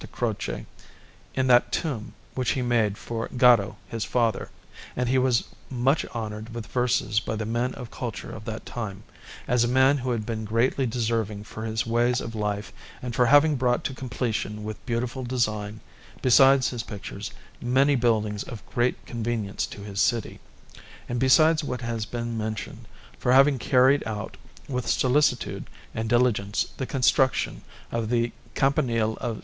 Croce, in that tomb which he had made for Gaddo his father, and he was much honoured with verses by the men of culture of that time, as a man who had been greatly deserving for his ways of life and for having brought to completion with beautiful design, besides his pictures, many buildings of great convenience to his city, and besides what has been mentioned, for having carried out with solicitude and diligence the construction of the Campanile of S.